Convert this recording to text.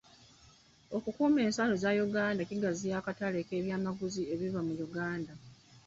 Okukuuma ensalo za Uganda kigaziya akatale k'ebyamaguzi ebiva mu Uganda.